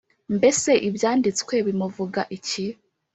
Mbese Ibyanditswe bimuvuga iki?